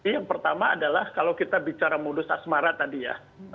yang pertama adalah kalau kita bicara modus asmara tadi ya